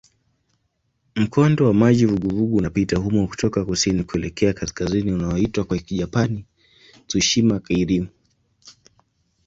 Mkondo wa maji vuguvugu unapita humo kutoka kusini kuelekea kaskazini unaoitwa kwa Kijapani "Tsushima-kairyū".